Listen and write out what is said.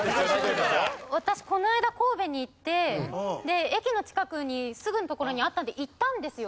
私この間神戸に行って駅の近くにすぐの所にあったので行ったんですよ。